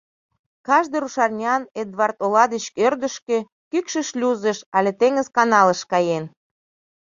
Кажне рушарнян Эдвард ола деч ӧрдыжкӧ, Кӱкшӱ шлюзыш але Теҥыз каналыш каен.